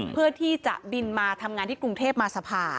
เพื่อที่จะบินมาทำงานที่กรุงเทพมาสภา